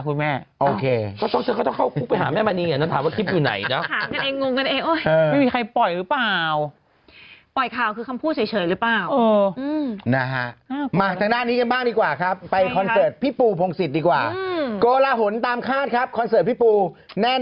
ก็คลิปอยู่ไหนล่ะคุณแม่